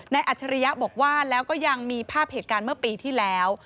อัจฉริยะบอกว่าแล้วก็ยังมีภาพเหตุการณ์เมื่อปีที่แล้ว